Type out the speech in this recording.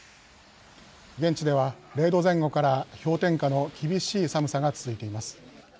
現地では０度前後から氷点下の厳しい寒さが続いています。